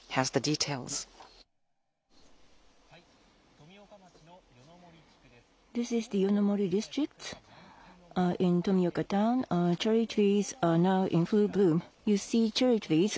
富岡町の夜の森地区です。